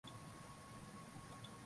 katika ardhi ya eneo hilo Hivyo waliamua